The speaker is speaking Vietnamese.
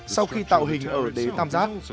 sau khi tạo hình ở đế tam xác